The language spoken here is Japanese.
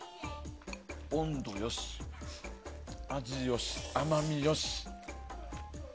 温度よし、味よし、甘みよし。